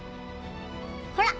ほら！